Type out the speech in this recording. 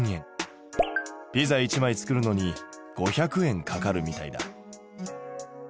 ピザ１枚作るのに５００円かかるみたいだ。